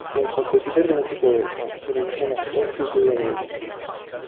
Fu un compositore meticoloso, che revisionò spesso i suoi lavori.